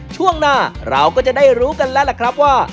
ช่วงหน้าเราก็จะได้รู้กันแล้วล่ะครับว่า